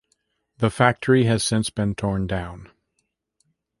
The factory has since been torn down.